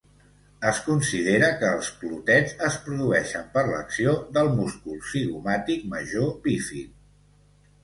Es considera que els clotets es produeixen per l'acció del múscul zigomàtic major bífid.